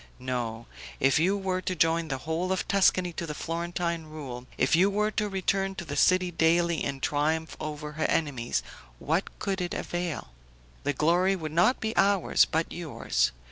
No; if you were to join the whole of Tuscany to the Florentine rule, if you were to return to the city daily in triumph over her enemies, what could it avail? The glory would not be ours, but yours.